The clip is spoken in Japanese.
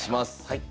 はい。